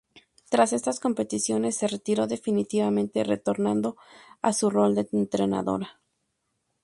Tras estas competiciones se retiró definitivamente, retornando a su rol de entrenadora.